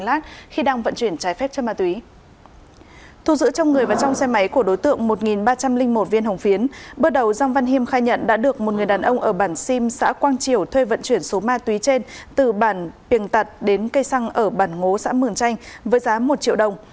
giữa trong người và trong xe máy của đối tượng một ba trăm linh một viên hồng phiến bước đầu giang văn hiêm khai nhận đã được một người đàn ông ở bản sim xã quang triều thuê vận chuyển số ma túy trên từ bản piềng tật đến cây xăng ở bản ngố xã mường chanh với giá một triệu đồng